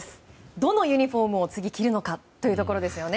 どのユニホームを次、着るのかというところですよね。